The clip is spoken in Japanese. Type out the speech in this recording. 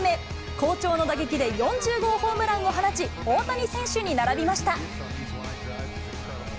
好調の打撃で４０号ホームランを放ち、大谷選手に並びました。